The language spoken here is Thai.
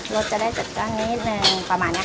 รสจะได้จัดจ้านนิดนึงประมาณนี้